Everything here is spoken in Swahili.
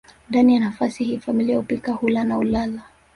Ndani ya nafasi hii familia hupika hula na hulala